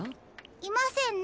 いませんね